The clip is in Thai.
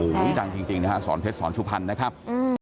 โอ้โฮดังจริงนะครับอาสอนเพชรอาสอนชุพรรณนะครับ